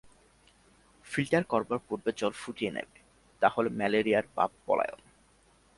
Filter করবার পূর্বে জল ফুটিয়ে নেবে, তা হলে ম্যালেরিয়ার বাপ পলায়ন।